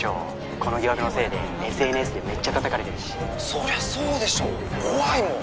この疑惑のせいでＳＮＳでめっちゃたたかれてるしそりゃそうでしょ怖いもん